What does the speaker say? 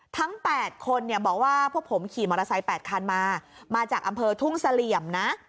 ทั้ง๘คนเนี่ยบอกว่าพวกผมขี่มอเตอร์ไซค์๘คันมามาจากอำเภอทุ่งเสลี่ยมนะ